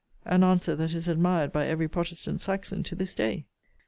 An answer that is admired by every protestant Saxon to this day.